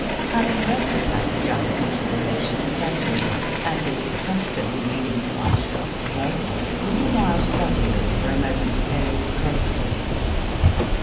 Having read the passage under considera tion cursorily (as is the custom in reading to one's self to day), will you now study it for a moment very closely?